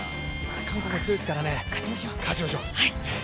韓国も強いですからね、勝ちましょう。